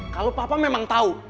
kalau papa memang tau